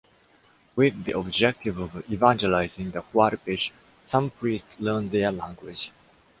With the objective of evangelizing the huarpes, some priests learned their language.